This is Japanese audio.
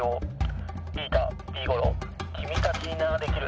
ビータビーゴローきみたちにならできる！